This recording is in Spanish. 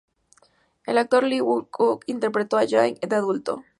El actor Lee Joon-hyuk interpretó a Jang-il de adulto.